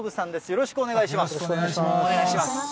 よろしくお願いします。